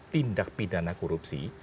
tindak pidana korupsi